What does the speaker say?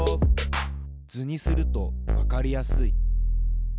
図にするとわかりやすい。